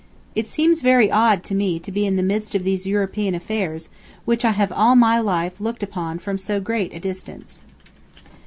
It seems very odd to me to be in the midst of these European affairs, which I have all my life looked upon from so great a distance.